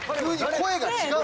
声が違う。